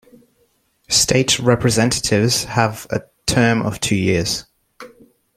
State Representatives have a term of two years.